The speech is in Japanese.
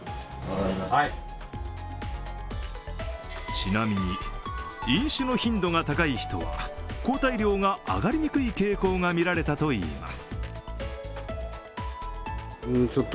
ちなみに、飲酒の頻度が高い人は抗体量が上がりにくい傾向が見られたといいます。